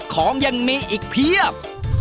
ของยังมีอีกเพียบ